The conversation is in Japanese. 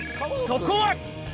そこは！